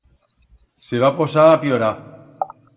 Se va posar a pllorar.